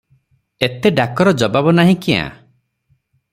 ଏତେ ଡାକର ଜବାବ ନାହିଁ କ୍ୟା?